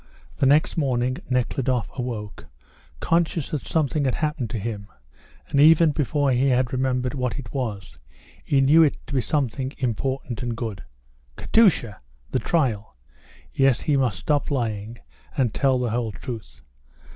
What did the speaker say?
The next morning Nekhludoff awoke, conscious that something had happened to him, and even before he had remembered what it was he knew it to be something important and good. "Katusha the trial!" Yes, he must stop lying and tell the whole truth.